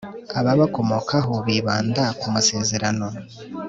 ababakomokaho bibanda ku masezerano